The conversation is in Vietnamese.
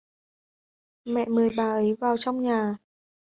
Mẹ mời bà ấy vào trong nhà